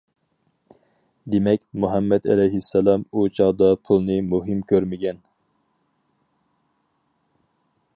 دېمەك، مۇھەممەت ئەلەيھىسسالام ئۇ چاغدا پۇلنى مۇھىم كۆرمىگەن.